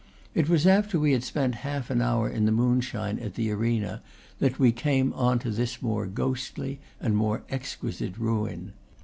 It was after we had spent half an hour in the moonshine at the arena that we came on to this more ghostly and more exquisite ruin.